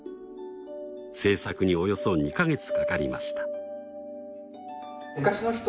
制作におよそ２か月かかりました。